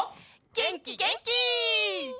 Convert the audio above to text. げんきげんき！